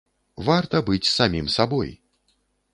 Варта быць самім сабой!